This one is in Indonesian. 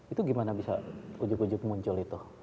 itu gimana bisa ujug ujug muncul itu